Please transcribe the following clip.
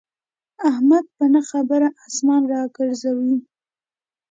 احمد په نه خبره اسمان را کوزوي.